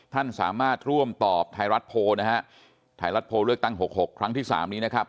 ท่านสามารถร่วมตอบไทยรัฐโพลนะฮะไทยรัฐโพลเลือกตั้งหกหกครั้งที่สามนี้นะครับ